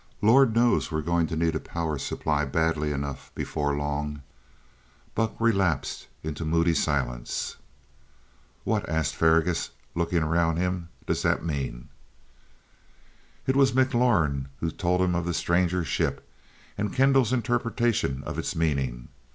Lord knows, we're going to need a power supply badly enough before long " Buck relapsed into moody silence. "What," asked Faragaut, looking around him, "does that mean?" It was McLaurin who told him of the stranger ship, and Kendall's interpretation of its meaning.